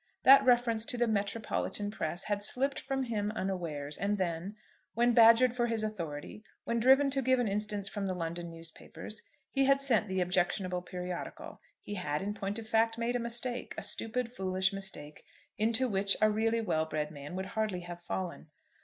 That reference to the "metropolitan press" had slipt from him unawares; and then, when badgered for his authority, when driven to give an instance from the London newspapers, he had sent the objectionable periodical. He had, in point of fact, made a mistake; a stupid, foolish mistake, into which a really well bred man would hardly have fallen.